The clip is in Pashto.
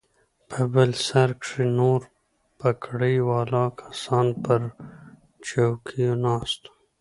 په بل سر کښې نور پګړۍ والا کسان پر چوکيو ناست وو.